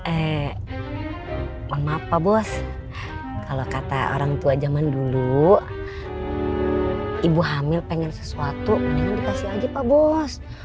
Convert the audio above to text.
eh mohon maaf pak bos kalau kata orang tua zaman dulu ibu hamil pengen sesuatu yang dikasih aja pak bos